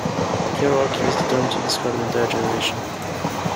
Kerouac used the term to describe an entire generation.